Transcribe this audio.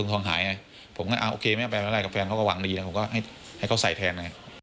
แล้วผมก็ให้เขาใส่แทน